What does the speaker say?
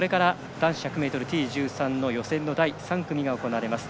男子１００ｍＴ１３の予選の第３組が行われます。